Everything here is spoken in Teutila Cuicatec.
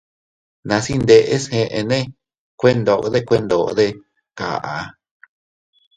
Nas iyndes eʼenne, kuendogde kuendogde kaʼa.